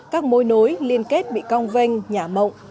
các môi nối liên kết bị cong vanh nhả mộng